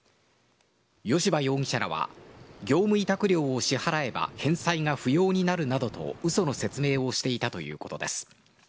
吉羽容疑者らは業務委託料を支払えば返済が不要になるなどとうその説明をしていたということです。